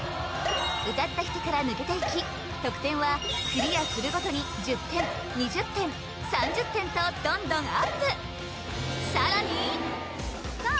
歌った人から抜けていき得点はクリアするごとに１０点２０点３０点とどんどんＵＰさらにさあ